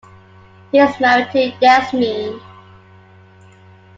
He is married to Yasmeen.